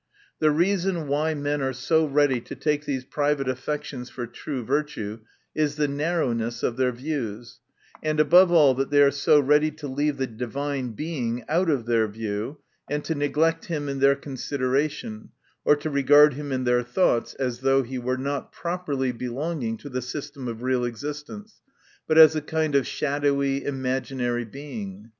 The reason why men are so ready to take these private affections for true virtue, is the narrowness of their views ; and above all, that they are so ready to leave the Divine Being out of their view, and to neglect him in their consideration, or to regard him in their thoughts, as though he were not pro perly belonging to the system of real existence, but as a kind of shadowy, imaginary Being.